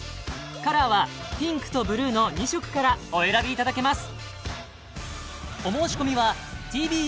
カラーはピンクとブルーの２色からお選びいただけます